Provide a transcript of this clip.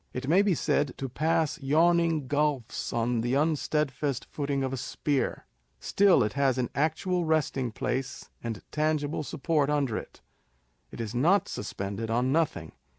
It may be said to pass yawning gulfs " on the unstedfast footing of a spear :" still it has an actual resting place and tangible support under it â€" it is not suspended on nothing.